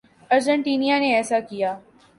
Argentina نے ایسا کیا۔